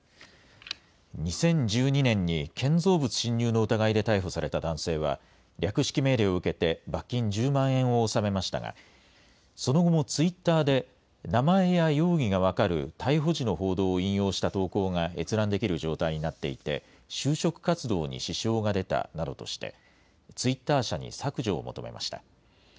２０１２年に、建造物侵入の疑いで逮捕された男性は、略式命令を受けて罰金１０万円を納めましたが、その後もツイッターで、名前や容疑が分かる逮捕時の報道を引用した投稿が閲覧できる状態になっていて、就職活動に支障が出たなどとして、ツイッター社に削除を求めました。